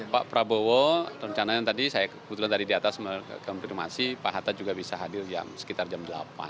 pak prabowo rencananya tadi saya kebetulan tadi di atas mengkonfirmasi pak hatta juga bisa hadir sekitar jam delapan